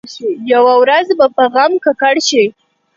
یوه ورځ به په غم ککړ شي.